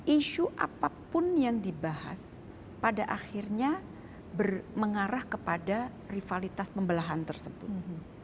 isu apapun yang dibahas pada akhirnya mengarah kepada rivalitas pembelahan tersebut